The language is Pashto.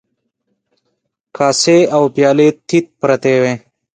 کاسې او پيالې تيت پرتې وې.